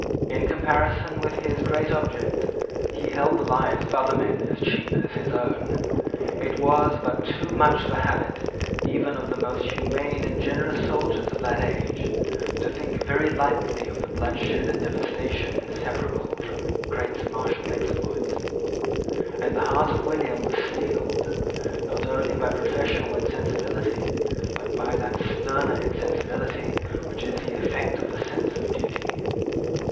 In comparison with his great object he held the lives of other men as cheap as his own. It was but too much the habit, even of the most humane and generous soldiers of that age, to think very lightly of the bloodshed and devastation inseparable from great martial exploits; and the heart of William was steeled, not only by professional insensibility, but by that sterner insensibility which is the effect of a sense of duty.